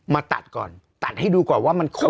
มาตัดก่อนตัดให้ดูก่อนว่ามันคม